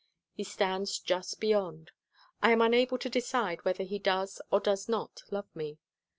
He stands just beyond. I am unable to decide whether he does or does not love me.